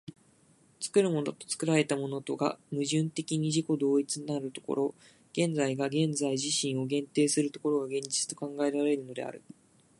作るものと作られたものとが矛盾的に自己同一なる所、現在が現在自身を限定する所が、現実と考えられるのである。